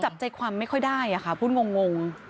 จับใจความไม่ค่อยได้ค่ะพูดงง